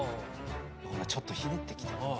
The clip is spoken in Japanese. ちょっとひねってきた。